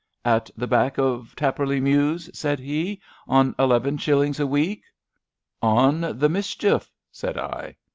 'At the back of Tarporley Mews/' said he. On eleven shillings a week.'* On the mischief! '* said I.